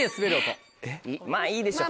まぁいいでしょう。